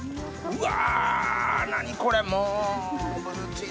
うわ！